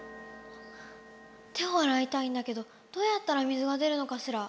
手をあらいたいんだけどどうやったら水が出るのかしら。